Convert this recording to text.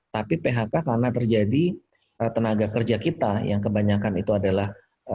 tapi phk karena terjadi tenaga kerja kita yang kebanyakan itu adalah